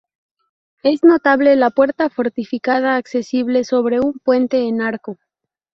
Es notable la puerta fortificada, accesible sobre un puente en arco.